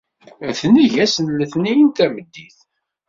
Ad t-neg ass n Letniyen tameddit.